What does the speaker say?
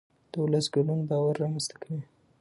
د ولس ګډون باور رامنځته کوي